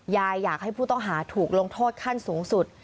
อยากให้ผู้ต้องหาถูกลงโทษขั้นสูงสุด